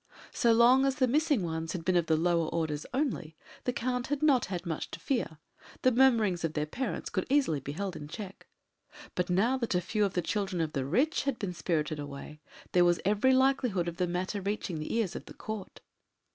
So long as the missing ones had been of the lower orders only, the Count had not had much to fear the murmurings of their parents could easily be held in check but now that a few of the children of the rich had been spirited away, there was every likelihood of the matter reaching the ears of the Court.